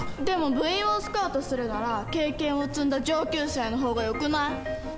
でも部員をスカウトするなら経験を積んだ上級生の方がよくない？